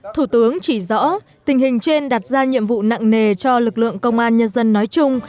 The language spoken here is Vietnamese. thủ tướng chỉ rõ tình hình trên đặt ra nhiệm vụ nặng nề cho lực lượng công an nhân dân nói chung